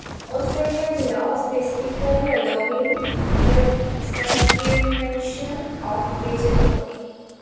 Australian law specifically allowing the circumvention of region coding.